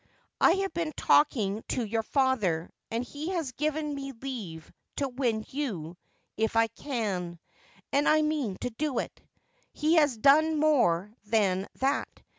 I have been talking to your father, and he has given me leave to win you, if I can ; and I mean to do it. He has done more than that.